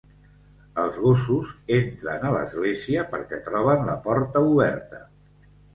Els gossos entren a l'església perquè troben la porta oberta.